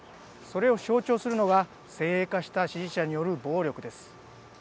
それを象徴するのが先鋭化した支持者による暴力です。